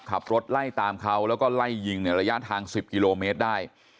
ขับรถไล่ตามเขาแล้วก็ไล่ยิงในระยะทาง๑๐กิโลเมตรได้